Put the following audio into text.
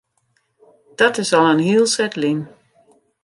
Dat is al in heel set lyn.